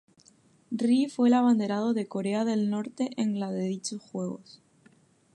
Ri fue el abanderado de Corea del Norte en la de dichos juegos.